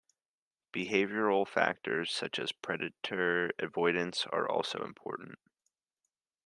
Behavioural factors, such as predator avoidance are also important.